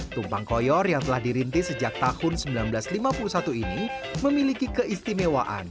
tumpang koyor yang telah dirintis sejak tahun seribu sembilan ratus lima puluh satu ini memiliki keistimewaan